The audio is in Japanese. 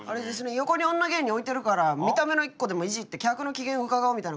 横に女芸人置いてるから見た目の１個でもいじって客の機嫌を伺うみたいな魂胆見え見えっすよ。